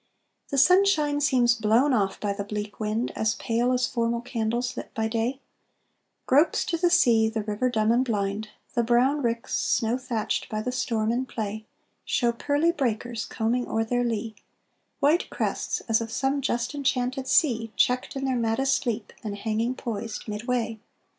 The sunshine seems blown off by the bleak wind, As pale as formal candles lit by day; Gropes to the sea the river dumb and blind; The brown ricks, snow thatched by the storm in play, Show pearly breakers combing o'er their lee, White crests as of some just enchanted sea, Checked in their maddest leap and hanging poised midway.